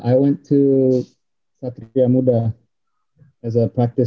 saya pergi ke satria muda sebagai pemain praktis